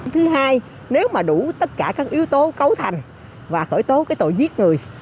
thứ hai nếu mà đủ tất cả các yếu tố cấu thành và khởi tố tội giết người